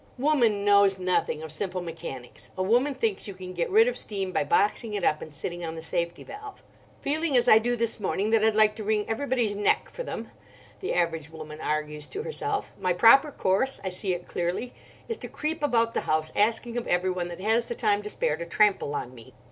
Woman knows nothing of simple mechanics. A woman thinks you can get rid of steam by boxing it up and sitting on the safety valve. "Feeling as I do this morning, that I'd like to wring everybody's neck for them," the average woman argues to herself; "my proper course—I see it clearly—is to creep about the house, asking of everyone that has the time to spare to trample on me."